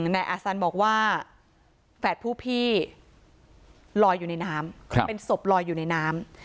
นายอาซันบอกว่าแฝดผู้พี่ลอยอยู่ในน้ำเป็นศพลอยอยู่ในน้ำ